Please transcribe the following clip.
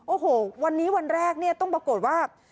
โอ้โหวันนี้วันแรกเนี่ยต้องปรากฏว่า